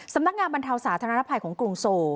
สำนักงานบรรเทาสาธารณภัยของกรุงโซ